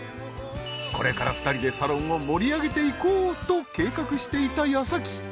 これから２人でサロンを盛り上げていこうと計画していた矢先。